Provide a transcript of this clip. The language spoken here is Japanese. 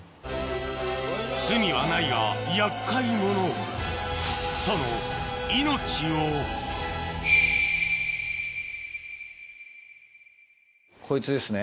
罪はないが厄介者その命をこいつですね。